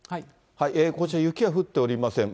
こちら、雪は降っておりません。